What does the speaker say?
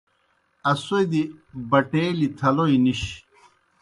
اسودیْ بَٹَیلِیْ تھلوئی نِش۔